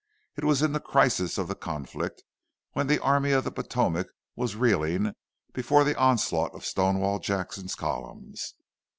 It was in the crisis of the conflict, when the Army of the Potomac was reeling before the onslaught of Stonewall Jackson's columns.